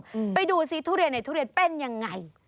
คุณผู้ชมไปดูสิทุเรียนในทุเรียนเป็นยังไง